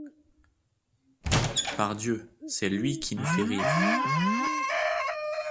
Pardieu, c’est lui Qui nous fait rire !